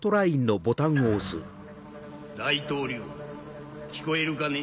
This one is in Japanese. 大統領聞こえるかね？